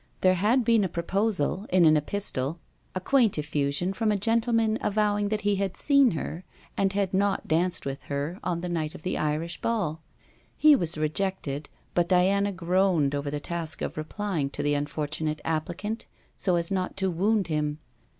There had been a proposal, in an epistle, a quaint effusion, from a gentleman avowing that he had seen her, and had not danced with her on the night of the Irish ball. He was rejected, but Diana groaned over the task of replying to the unfortunate applicant, so as not to wound him.